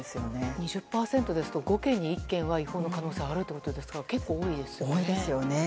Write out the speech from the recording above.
２０％ですと５件に１件は違法な可能性があるということですから結構多いですね。